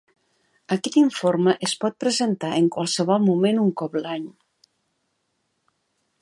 Aquest informe es pot presentar en qualsevol moment, un cop a l'any.